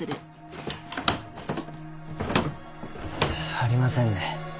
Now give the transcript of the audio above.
ありませんね。